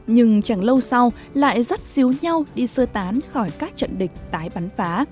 nhưng chẳng lâu sau lại rắt xíu nhau đi sơ tán khỏi các trận địch tái bắn